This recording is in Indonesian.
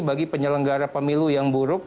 bagi penyelenggara pemilu yang buruk